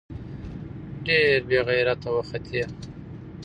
ډېر بې غېرته وختې.